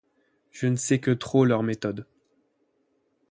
Je ne sais que trop leurs méthodes.